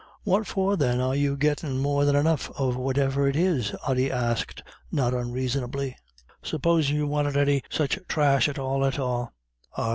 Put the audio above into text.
"What for then are you gettin' more than enough of whatever it is?" Ody asked not unreasonably. "Supposin' you wanted any such thrash at all at all."